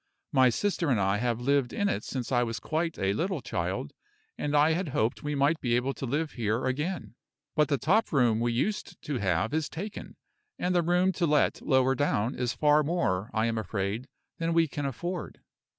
My sister and I have lived in it since I was quite a little child, and I had hoped we might be able to live here again. But the top room we used to have is taken, and the room to let lower down is far more, I am afraid, than we can afford."